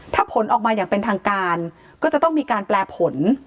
ถ้าผลออกมาอย่างเป็นทางการก็จะต้องมีการแปลผล